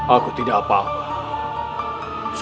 aku tidak apa apa